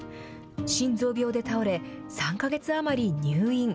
心臓病で倒れ、３か月余り入院。